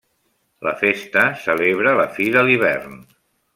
La festa celebra la fi de l'hivern.